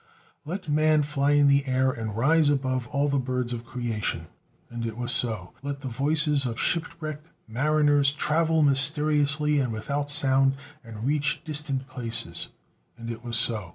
"Let man fly in the air and rise far above all the birds of creation" and it was so. "Let the voices of shipwrecked mariners travel mysteriously and without sound, and reach distant places" and it was so.